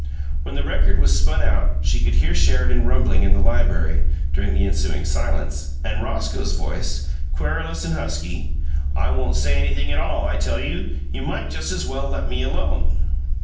When the record was spun out she could hear Sheridan rumbling in the library, during the ensuing silence, and Roscoe's voice, querulous and husky: "I won't say anything at all. I tell you, you might just as well let me alone!"